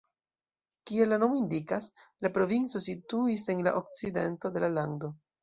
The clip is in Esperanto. Kiel la nomo indikas, la provinco situis en la okcidento de la lando.